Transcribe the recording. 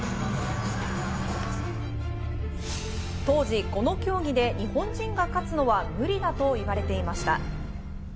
当時、この競技で日本人が勝つのは無理だと言われていました。